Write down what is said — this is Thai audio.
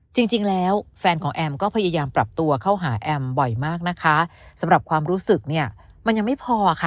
จริงแล้วแฟนของแอมก็พยายามปรับตัวเข้าหาแอมบ่อยมากนะคะสำหรับความรู้สึกเนี่ยมันยังไม่พอค่ะ